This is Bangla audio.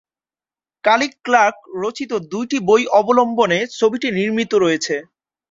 কলিন ক্লার্ক রচিত দুইটি বই অবলম্বনে ছবিটি নির্মিত রয়েছে।